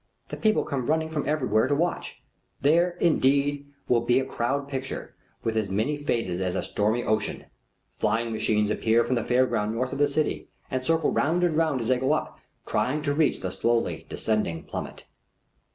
The people come running from everywhere to watch. Here indeed will be a Crowd Picture with as many phases as a stormy ocean. Flying machines appear from the Fair Ground north of the city, and circle round and round as they go up, trying to reach the slowly descending plummet.